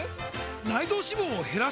内臓脂肪を減らす！？